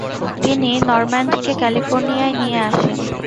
তিনি নরম্যান্ডকে ক্যালিফোর্নিয়ায় নিয়ে আসেন।